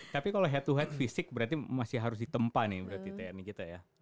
tapi kalau head to head fisik berarti masih harus ditempa nih berarti tni kita ya